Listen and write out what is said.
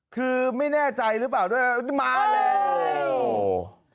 คือไม่แน่ใจหรือเปล่าด้วยมาแล้ว